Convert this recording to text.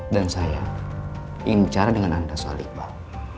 dan saya ingin bicara dengan anda soal iqbal